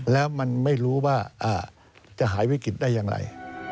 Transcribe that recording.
แล้วมันไม่รู้ว่าจะหายวิกฤตได้อย่างไร